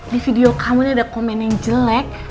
di video kamu ini ada komen yang jelek